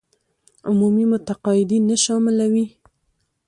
عمومي متقاعدين نه شاملوي.